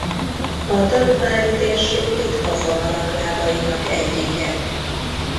A daruvári térség ritka fa haranglábainak egyike.